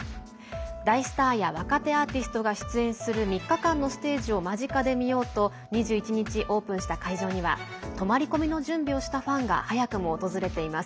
大スターや若手アーティストが出演する３日間のステージを間近で見ようと２１日オープンした会場には泊まり込みの準備をしたファンが早くも訪れています。